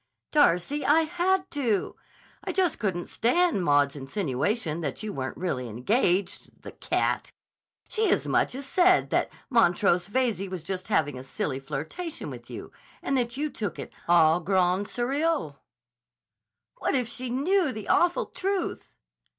"Darcy, I had to! I just couldn't stand Maud's insinuation that you weren't really engaged—the cat! She as much as said that Montrose Veyze was just having a silly flirtation with you and that you took it au grand sérieux." "What if she knew the awful truth?"